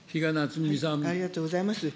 ありがとうございます。